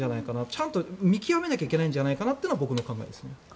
ちゃんと見極めなきゃいけないんじゃないかなというのが僕の考えですね。